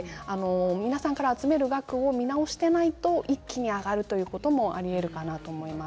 皆さんから集める額を見直していないと一気に上がるということもありえると思います。